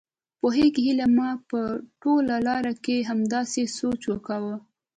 پوهېږې هيلې ما په ټوله لار کې همداسې سوچ کاوه.